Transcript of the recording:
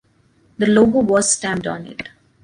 The logo was stamped on it.